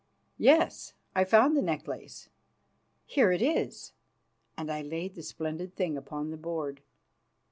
"Yes, I found the necklace. Here it is!" And I laid the splendid thing upon the board.